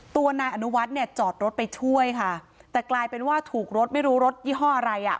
ตัวนายอนุวัฒน์เนี่ยจอดรถไปช่วยค่ะแต่กลายเป็นว่าถูกรถไม่รู้รถยี่ห้ออะไรอ่ะ